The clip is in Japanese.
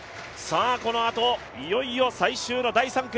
このあと、いよいよ最終第３組。